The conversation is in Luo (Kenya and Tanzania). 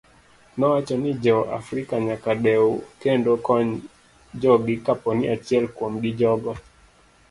Nowach ni jo africa nyaka dew kendo kony jogi kaponi achiel kuom jogo.